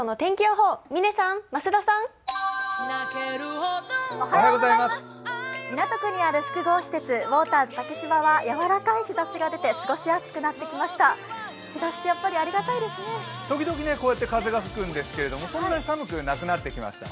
ウォーターズ竹芝ではやわらかい日ざしが出て過ごしやすくなってきました。